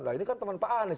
nah ini kan teman pak anies